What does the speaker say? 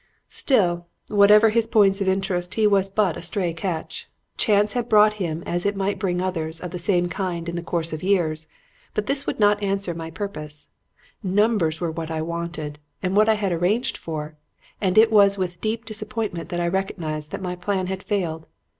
"Still, whatever his points of interest, he was but a stray catch. Chance had brought him as it might bring others of the same kind in the course of years. But this would not answer my purpose. Numbers were what I wanted and what I had arranged for; and it was with deep disappointment that I recognized that my plan had failed.